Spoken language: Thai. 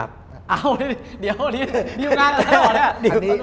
อ้าวอันนี้อยู่ก้านกันได้หรอเนี่ย